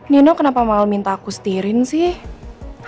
nino kenapa mau minta aku setirin sih